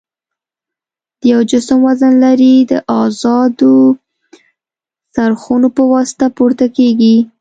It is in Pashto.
د یو جسم وزن لري د ازادو څرخونو په واسطه پورته کیږي.